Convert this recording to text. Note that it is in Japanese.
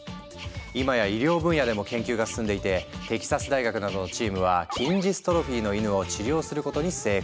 今や医療分野でも研究が進んでいてテキサス大学などのチームは筋ジストロフィーの犬を治療することに成功。